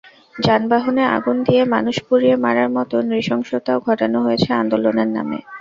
যানবাহনে আগুন দিয়ে মানুষ পুড়িয়ে মারার মতো নৃশংসতাও ঘটানো হয়েছে আন্দোলনের নামে।